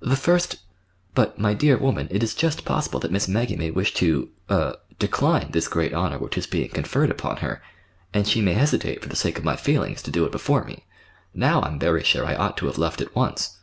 "The first—But, my dear woman, it is just possible that Miss Maggie may wish to—er—decline this great honor which is being conferred upon her, and she may hesitate, for the sake of my feelings, to do it before me. now I'm very sure I ought to have left at once."